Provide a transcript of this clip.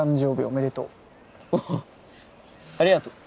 おありがとう。